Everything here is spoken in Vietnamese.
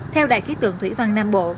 theo đài khí tượng thủy văn nam bộ